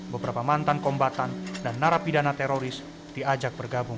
beberapa mantan kombatan dan narapidana teroris diajak bergabung